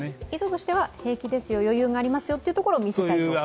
意図としては兵器ですよ、余裕ですよというところを見せたいと？